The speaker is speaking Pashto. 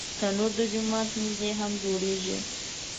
تنور د جومات نږدې هم جوړېږي